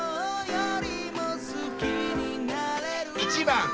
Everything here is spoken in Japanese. １番